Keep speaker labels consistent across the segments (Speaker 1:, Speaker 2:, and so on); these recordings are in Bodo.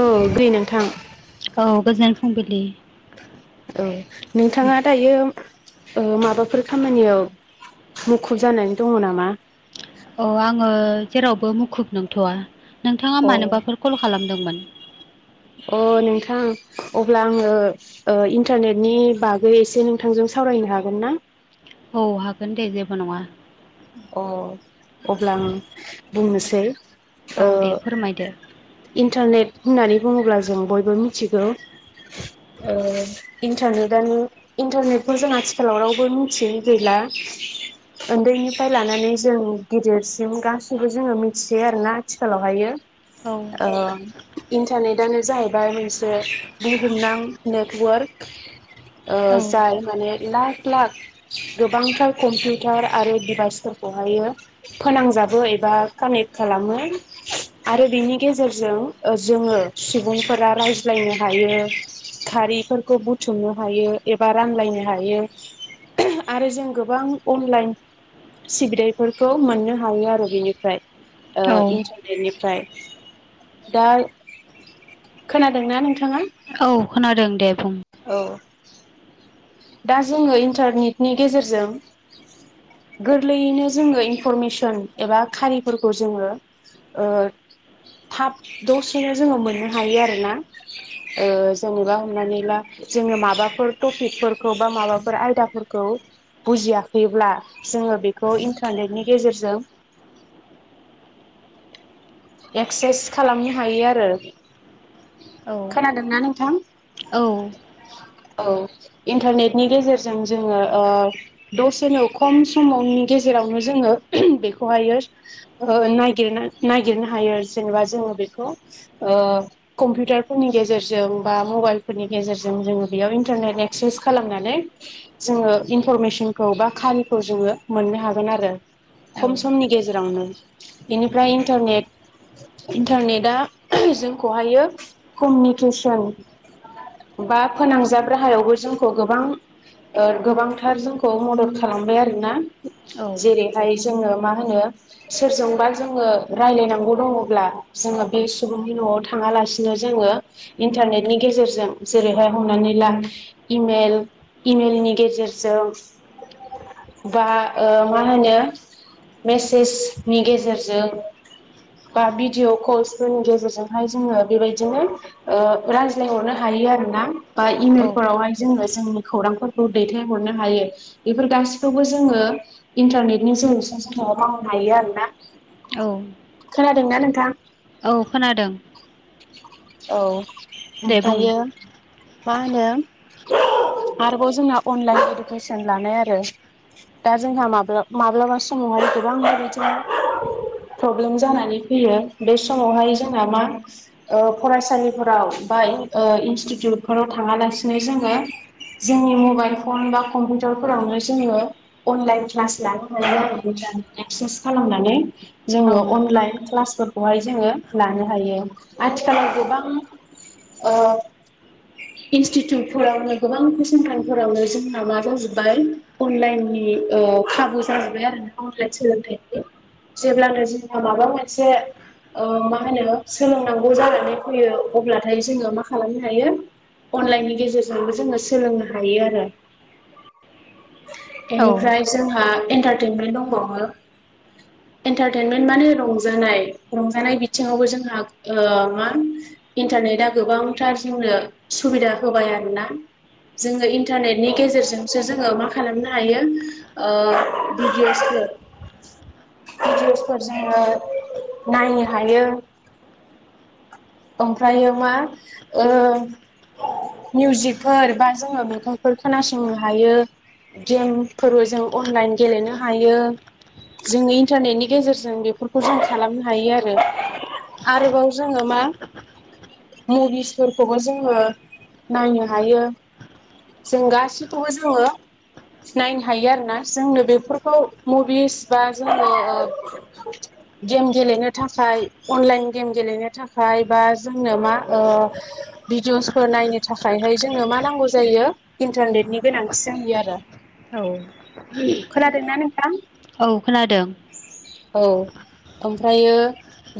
Speaker 1: औ दे नोंथां।
Speaker 2: औ गोजोन फुंबिलि।
Speaker 1: औ नोंथाङा दायो। माबाफोर खामानियाव मुखुब जानानै दङ नामा।
Speaker 2: औ आङो जेरावबो मुखुब नंथ'वा नोंथाङा मानोबाफोर कल खालामदोंमोन
Speaker 1: अ नोंथां अब्ला आङो। इन्टारनेटनि बागै एसे नोंथांजों सावरायनो हागोन ना
Speaker 2: औ हागोन दे जेबो नङा
Speaker 1: अ अब्ला आं बुंनोसै
Speaker 2: औ
Speaker 1: ओ
Speaker 2: दे फोरमायदो
Speaker 1: इन्टारनेट होननानै बुङोब्ला जों बयबो मिथिगौ इन्टारनेटनो इन्टारनेटफोर जों आथिखालाव रावबो मिथियैनो गैला उन्दैनि फ्राइ लानानै जों गिदिरसिम गाैबो जोङो मिथियो आरोोना आथिखालावहायो औ इन्टारनेटनो जाहैबाय मोनसे बुहुमनां नेटवर्क
Speaker 2: औ
Speaker 1: जाय माने लाख लाख गोबांथार कम्पिउटार आरो दिभाइस मानसिफोरखौहायो फोनांजाबो एबा कानेक्ट खालामो आरो बेनि गेजेरजों जोङो सुबुंफोरा रायज्लायनो हायो खारिफोरखौ बुथुमनो हायो एबा रानलायनो हायो आरो जों गोबां अनलाइन सिग्रेफोरखौ मोननो हायो आरो बिनिफ्राय
Speaker 2: औ
Speaker 1: बेनिफ्राय दा खोनादोंना नोंथाङा
Speaker 2: औ खोनादों दे बुं
Speaker 1: औ दा जोङो इन्टारनेटनि गेजेरजों गोरलैयैनो जोङो इनफरमेसन एबा खारिफोरखौ जोङो ओ थाब दसेनो जोङो मोननो हायो आरोना जेनेबा हमनानै ला जोङो माबाफोर टपिकफोर खौ बा माबाफोर आयदाफोरखौ बुजियाखैब्ला जोङो बेखौ इन्टारनेटनि गेजेरजों एक्सारसाइस खालामनो हायो आरो
Speaker 2: औ
Speaker 1: खोनादोंना नोंथां
Speaker 2: औ
Speaker 1: औ इन्टारनेटनि गेजेरजों जोङो दसेनो खम समावनि गेजेरावनो जोङो बेखौहायो नागिरना नागिरनो हायो जेनेबा जोङो बेखौ ओ कम्पिउटारफोरनि गेजेरजों बा मबाइलफोरनि गेजेरजों जोङो बेयाव इन्टारनेट ने एक्सारसाइस खालामनानै जोङो इनफरमेसनखौ बा खारिखौ जोङो मोननो हागोन आरो खम समनि गेजेरावनो बेनिफ्राय इन्टारनेट इन्टारनेटआ जोंखौहायो कमिउनिकेसन बा फोनांजाब राहायावबो जोंखौ गोबां गोबांथार जोंखौ मदद खालामबाय आरोना
Speaker 2: औ
Speaker 1: जेरै नाथाय जोङो मा होनो सोरजोंबा जोङो राय्लायनांगौ दङब्ला जोङो बे सुबुंनि न'आव थाङालासिनो जोङो इन्टारनेटनि गेजेरजों जेरैहाय हमनानै ला इमेल इमेलनि गेजेरजों बा मा होनो मेसेजनि गेजेरजों बा भिडिअअ कल्सफोरनि गेजेरजोंहाय जोङो बेबायदिनो रायज्लायहरनो हायो आरोना बा
Speaker 2: औ
Speaker 1: इमेलफोरावहाय जोङो जोंनि खौरांफोरखौ दैथायहरनो हायो बेफोर गासिखौबो जोङो इन्टारनेटनि जे [unintelligible] मावनो हायो आरो ना
Speaker 2: औ
Speaker 1: खोनादों ना नोंथां।
Speaker 2: औ खोनादों।
Speaker 1: औ
Speaker 2: दे बुं
Speaker 1: ओमफ्रायो मा होनो आरोबाव जोंना अनलाइन इडुकेसन लानाय आरो। दा जोंहा माब्ला माब्लाबा समावहाय गोबां बेबायदिनो प्रब्लेम जानानै फैयो बे समावहाय जोंना मा ओ फरायसालिफोराव बा इनस्टिटिउटफोराव थाङालासिनो जोङो जोंनि मबाइल फन बा कम्पिउटारफोरावनो जोङो अनलाइन क्लास लाबोनानै आरोफ्रायइ क्लास खालामनानै
Speaker 2: औ
Speaker 1: जोङो अनलाइन क्लासफोरखौहाय जोङो लानो हायो। जों गोबां ओ इनस्टिटिउटफोरावनो गोबां फसंथानफोरावनो जोंना मा जाजोबबाय अनलाइननि ओ जाजोबबाय आरो ना अनलाइन सोलोंथाइनि जेब्लानो जोंहा माबा मोनसे मा होनो सोलोंनांगौ ज' जानानै फैयो अब्लाथाय जोङो मा खालामनो हायो अनलाइननि गेजेरजोंबो जोङो सोलोंनो हायो आरो।
Speaker 2: औ
Speaker 1: बेनिफ्राय जोंहा एन्टारटेनमेन्ट दंबावो एन्टारटेनमेन्ट माने रंजानाय रंजानाय बिथिङावबो जोंहा ओ मा इन्टारनेटआ गोबांथार जोंनो सुबिदा होबाय आरोना जोङो इन्टारनेटनि गेजेरजोंसो जोङो मा खालामनो हायो। ओ भिडियअसफोर भिडिअसफोर जोङो नायनो हायो। ओमफ्रायो मा ओ मिउजिकफोर बा जोङो मेथाइफोर खोनासंनो हायो गेमफोरबो जों अनलाइन गेलेनो हायो। जोंनि इन्टारनेटनि गेजेरजों बेफोरखौ जों खालामनो हायो आरो। आरोबाव जोङो मा। मुभिसफोरखौबो जोङो नायनो हायो। जों गासिखौबो जोङो नायनो हायो आरोना जोंनो बेफोरखौ मुभिस बा जोंनो ओ गेम गेलेनो थाखाय अनलाइन गेम गेलेनो थाखाय बा जोंनो मा ओ भिडिअ'सफोर नायनो थाखायहाय जोंनो मा नांगौ जायो इन्टारनेटनि गोनांथि जायो आरो।
Speaker 2: औ।
Speaker 1: खोनादों ना नोंथां‌
Speaker 2: औ खोनादों।
Speaker 1: औ ओमफ्रायो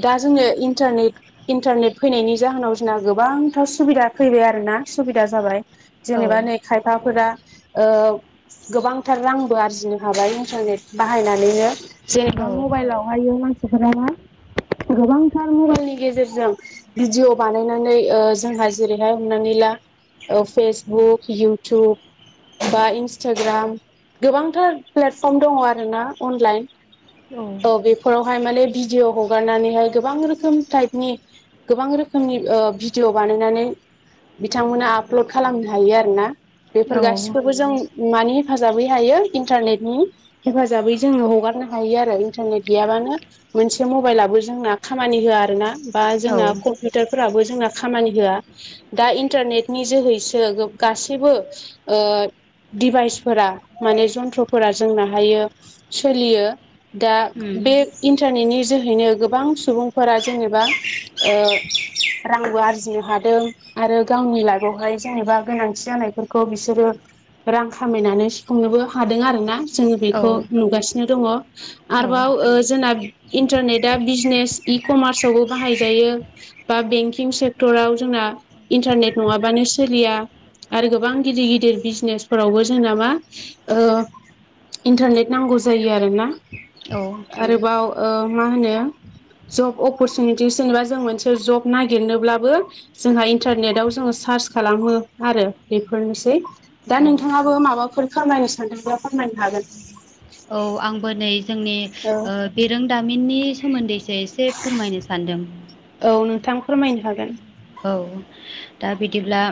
Speaker 1: दा जों इन्टारनेट इन्टारनेट फैनायनि जाहोनाव जोंना गोबांथार सुबिदा फैबाय आरोना सुबिदा जाबाय
Speaker 2: औ
Speaker 1: जेनेबा नै खायफाफोरा ओ गोबांथार रांबो आरजिनो हाबाय इन्टारनेट बाहायनानैनो जेनेबा
Speaker 2: औ
Speaker 1: मबाइलाव हायो मानसिफोरा मा गोबांथार मबाइलनि गेजेरजों भिडिअ बानायनानै जोंहा जेरैहाय हमनानै ला फेसबुक इउटुब बा इन्स्टाग्राम गोबांथार प्लेटफर्म दङ आरो ना अनलाइन औ बेफोरावहाय माने भिडिअ' हगारनानैहाय गोबां रोखोम टाइपनि गोबां रोखोमनि ओ भिडिअ' बानायनानै बिथांमोना आपल'ड खालामनो हायो आरोना बेफोर
Speaker 2: औ
Speaker 1: गासिखौबो जों मानि हेफाजाबै हायो इन्टारनेटनि हेफाजाबै जोङो हगारनो हायो आरो इन्टारनेट गैयाबानो मोनसे मबाइलाबो जोंना खामानि होआ आरोना बा जोंना कम्पिउटारफोराबो जोंना खामानि होआ दा इन्टारनेटनि जोहैसो गासैबो ओ दिभाइसफोरा माने जन्थ्रफोरा जोंना हायो सोलियो दा
Speaker 2: उम
Speaker 1: बे
Speaker 2: औ
Speaker 1: इन्टारनेटनि जोहैनो गोबां सुबुंफोरा जेनेबा ओ रांबो आरजिनो हादों आरो गावनि लाइगआवहाय जेनेबा गोनांथि जानायफोरखौ बिसोरो रां खामायनानै सुफुंनोबो हादों आरोना जोङो बेखौ नुगासिनो दङ आरोबाव
Speaker 2: औ
Speaker 1: जोंना इन्टारनेटआ बिजनेस इ कमार्सआवबो बाहायजायो बा बेंकिं सेक्टराव जोंना इन्टारनेट नङाबानो सोलिया आरो गोबां गिदिर गिदिर बिजनेसफोरावबो जोंना मा ओ इन्टारनेट नांगौ जायो आरोना
Speaker 2: औ
Speaker 1: आरोबाव ओ मा होनो जब अपरसुनिटिस जेनेबा जों मोनसे जब नागिरनोब्लाबो जोंहा इन्टारनेटाव जोङो सार्च खालामो आरो बेफोरनोसै दा
Speaker 2: औ औ
Speaker 1: नोंथाङाबो माबाफोर खामायनो सानदोंब्ला फोरमायनो हागोन
Speaker 2: औ आंबो नै जोंनि ओ बिरोंदामिननि सोमोन्दैसो एसे फोरमायनो सानदों।
Speaker 1: औ नोंथां फोरमायनो हागोन
Speaker 2: औ दा बिदिब्ला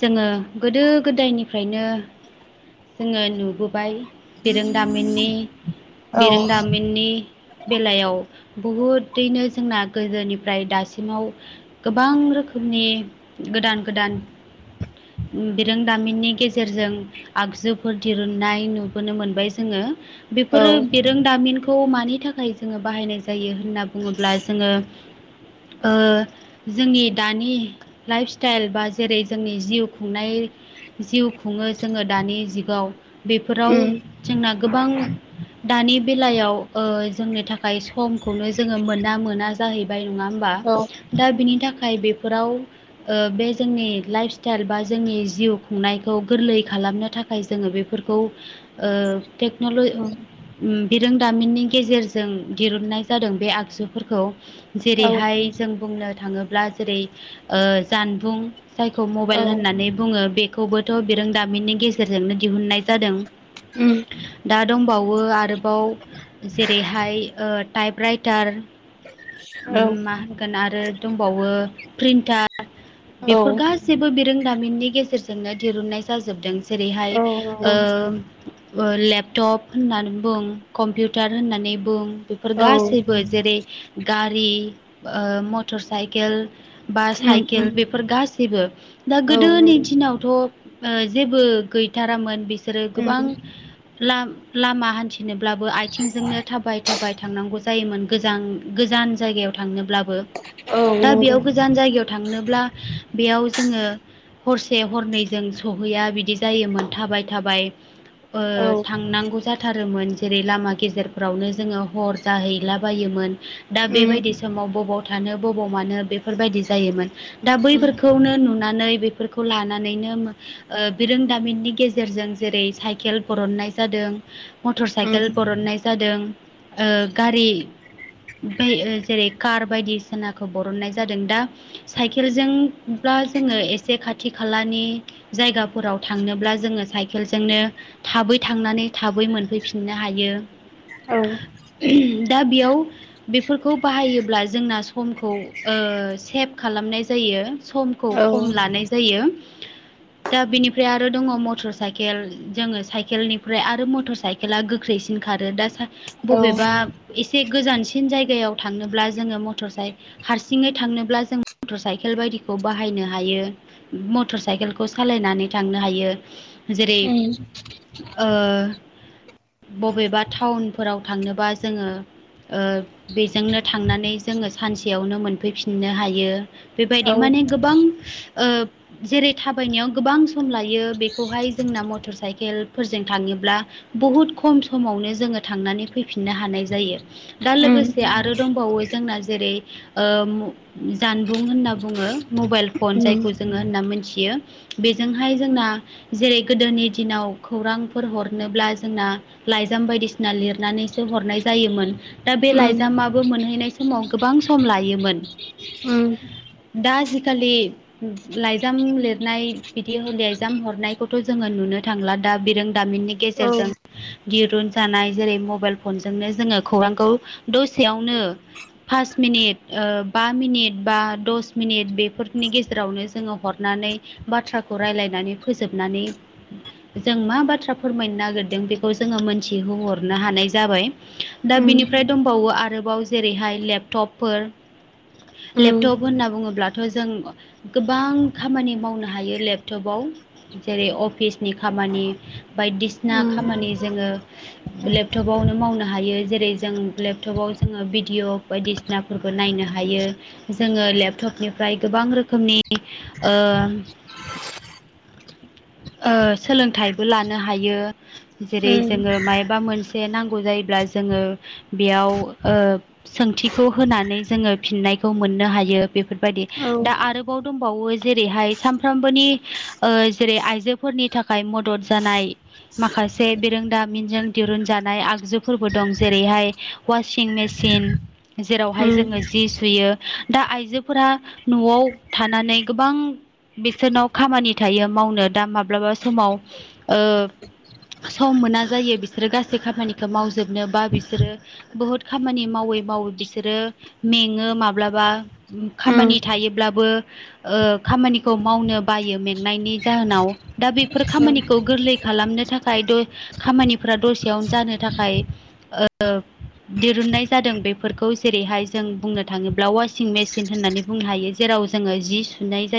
Speaker 2: जोङो गोदो गोदायनिफ्रायनो जोङो नुबोबाय बेरोंदामिननि
Speaker 1: औ
Speaker 2: बिरोंदामिननि बेलायाव बहुदैनो जोंना गोदोनिफ्राय दासिमाव गोबां रोखोमनि गोदान गोदान बिरोंदामिननि गेजेरजों आगजुफोर दिरुननाय नुबोनो मोनबाय जोङो
Speaker 1: उम औ
Speaker 2: बेफोरो बे रोंदामिनखौ मानि थाखाय जोङो बाहायनाय जायो होनना बुङोब्ला जोङो ओ जोंनि दानि लाइफ स्टाइल बा जेरै जोंनि जिउ खुंनाय जिउ खुङो जोङो दानि जुगाव बेफोराव जोंना गोबां दानि बेलायाव जोंनि थाखाय समखौनो जोङो मोना मोना जाहैबाय नङा होमबा? बेनि थाखाय बेफोराव ओ बे जोंनि लाइफस्टाइल बा जोंनि जिउ खुंनायखौ गोरलै खालामनो था थाखाय जोङो बेफोरखौ ओ टेक्न'ल बिरोंदामिननि गेजेरजों दिरुननाय जादों बे आगजुफोरखौ
Speaker 1: औ
Speaker 2: जेरैहाय जों बुंनो थाङोब्ला जेरै ओ जानबुं जायखौ मबाइल होननानै बुङो बे खौबोथ' बिरोंदामिननि गेजेरजोंनो दिहुननाय जादों
Speaker 1: उम
Speaker 2: दा दंबावो आरोबाव जेरैहाय ओ टाइप राइटार मा होनगोन आरो दंबावो प्रिन्टार
Speaker 1: औ
Speaker 2: बेफोर गासैबो बिरोंदामिननि गेजेरजोंनो दिरुननाय जाजोबदों जेरैहाय ओ लेपटप होननानै बुं कम्पिउटार होननानै बुं बेफोर
Speaker 1: औ
Speaker 2: गासैबो जेरै गारि ओ मटर साइकेल बा साइकेल बेफोर गासैबो दा
Speaker 1: औ नंगौ औ
Speaker 2: गोदोनि
Speaker 1: उम
Speaker 2: दिनावथ' जेबो गैथारामोन बिसोरो
Speaker 1: उम
Speaker 2: गोबां लाम लामा हान्थिनोब्लाबो आथिंजोंनो थाबाय थाबाय थांनांगौ जायोमोन गोजां गोजान जायगायाव थांनोब्लाबो
Speaker 1: औ नंगौ उम औ
Speaker 2: दा
Speaker 1: नंगौ
Speaker 2: बेयाव गोजान जायगायाव थांनोब्ला बेयाव जोङो हरसे हरनैजों सहैया बिदि जायोमोन थाबाय थाबाय ओ
Speaker 1: औ
Speaker 2: थांनांगौ जाथारोमोन। जेरै लामा गेजेरफ्रावनो जोङो हर जाहैला बायोमोन दा
Speaker 1: उम
Speaker 2: बेबायदि समाव बबाव बबाव मानो बेफोरबायदि जायोमोन दा
Speaker 1: उम
Speaker 2: बैफोरखौनो नुनानै बेफोर खौ लानानैनो बिरोंदामिननि गेजेरजों जेरै साइकेल बरननाय जादों। मटर साइकेल
Speaker 1: उम
Speaker 2: बरननाय जादों ओ-गारि बै-ओ-जेरै कार बायदि सेनाखौ बरननाय जादों दा साइकेलजोंब्ला जोङो एसे खाथि खालानि जायगाफोराव थांनोब्ला जोङो साइकेलजोंनो। थाबै थांनानै थाबै मोनफैफिननो हायो।
Speaker 1: औ
Speaker 2: दा बेयाव बेफोरखौ बाहायोब्ला जोंना समख मखौ ओ-सेभ खालामनाय जायो समखौ
Speaker 1: औ
Speaker 2: खम लानाय जायो दा बिनिफ्राय आरो दङ मटर साइकेल जोङो साइकेलनिफ्राय आरो मटर साइक खेला गोख्रैसिन खारो दा
Speaker 1: औ
Speaker 2: बबेबा एसे गोजानसिन जायगायाव थांनोब्ला जोङो मथ मटर साइ हारसिङै थांनोब्ला जों मटर साइकेल बायदिखौ बाहायनो हायो। मटर साइकेलखौ सालायनानै थांनो हायो जेरै
Speaker 1: उम
Speaker 2: ओ-बबेबा टाउनफोराव थांनोबा जोङो। ओ-बेजोंनो थांनानै। जोङो सानसेयावनो मोनफैफिननो हायो बेबायदि
Speaker 1: औ
Speaker 2: माने गोबां ओ- जेरै थाबायनायाव गोबां सम लायो बेखौहाय जोंना मटर साइकेलफोरजों थाङोब्ला। बहुद खम समावनो जोङो थांनानै फैफिननो हानाय जायो। दा
Speaker 1: उम
Speaker 2: लोगोसे आरो दंबावो जोंना जेरै ओ- जानबुं होनना बुङो मबाइल फन
Speaker 1: उम
Speaker 2: जायखौ जोङो होनना मोनथियो। बेजोंहाय जोंना जेरै गोदोनि दिनाव खौरांफोर हरनोब्ला जोंना। लाइजाम बायदिसिना लिरनानैसो हरनाय जायोमोन दा बे
Speaker 1: उम
Speaker 2: लाइजामाबो मोनहैनाय समाव गोबां सम लायोमोन
Speaker 1: उम
Speaker 2: दा आजिखालि। लाइजाम लिरनाय बिदि लइजाम हरनायखौथ' जोङो नुनो थांला दा बिरोंदामिननि गेज
Speaker 1: औ
Speaker 2: गेजेरजों दिरुन जानाय जेरै मबाइल फनजोंनो जोङो खौरांखौ दसेयावनो। पास मिनिट ओ बा मिनिट बा दस मिनिट बेफोरनि गेजेरावनो जोङो हरनानै। बाथ्राखौ रायज्लायनानै फोजोबनानै। जों मा बाथ्रा फोरमायनो नागिरदों बेखौ जोङो मोनथिहोहरनो हानाय जाबाय। दा
Speaker 1: उम
Speaker 2: बिनिफ्राय दंबावो आरोबाव जेरैहाय लेपटपफोर।
Speaker 1: उम
Speaker 2: लेपटप होनना बुङोब्लाथ' जों। गोबां खामानि मावनो हायो लेपटपाव। जेरै अफिसनि खामानि बायदिसिना खामानि जोङो। लेपटपावनो मावनो हायो जेरै जों लेपटपाव जोङो भिडिअ'। बायदिसिनाफोरखौ नायनो हायो जोङो लेपटपनिफ्राय गोबां रोखोमनि ओ ओ सोलोंथाइबो लानो हायो जेरै
Speaker 1: उम
Speaker 2: जोङो मायबा मोनसे जे नांगौ जायोब्ला जोङो बेयाव ओ सोंथिखौ होनानै जोङो फिननायखौ मोननो हायो बेफोरबायदि
Speaker 1: औ
Speaker 2: दा
Speaker 1: उम
Speaker 2: आरो। दंबावो जेरैहाय सामफ्रामबोनि ओ-जेरै आइ आइजोफोरनि थाखाय मदद जानाय माखासे बिरोंदामिनजों दिरुनजानाय आगजुफोरबो दं जेरैहाय - अवासिं मेसिन जेरावहाय जोङो जि सुयो दा आइजोफोरा न'आव थानानै गोबां बिसोरनाव खामानि थायो मावनो दा माब्लाबा समाव ओ सम मोना जायो बिसोरो गासै खामानिखौ मावजोबनो बा बिसोरो बहुद खामानि मावै मावै बिसोरो मेङो माब्लाबा उम खामानि थायोब्लाबो ओ खामानिखौ मावनो बायो मेंनायनि जाहोनाव दा बेफोर खामानिखौ गोरलै खालामनो थाखाय दै खामानिफोरा दसेयावनो जानो थाखाय ओ ब दिरुननाय जादों बेफोरखौ जेरैहाय जों बुंनो थाङोब्ला वासिं मेसिन होननानै बुंनो हायो जेराव जोङो जि सुनाय जायो